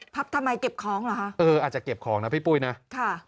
ทำไมเก็บของเหรอคะเอออาจจะเก็บของนะพี่ปุ้ยนะค่ะ